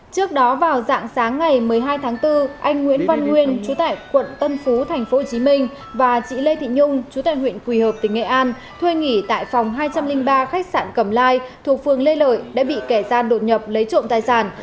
trước đó vào dạng sáng ngày một mươi hai tháng bốn anh nguyễn văn nguyên chú tại quận tân phú tp hcm và chị lê thị nhung chú tại huyện quỳ hợp tỉnh nghệ an thuê nghỉ tại phòng hai trăm linh ba khách sạn cẩm lai thuộc phường lê lợi đã bị kẻ gian đột nhập lấy trộm tài sản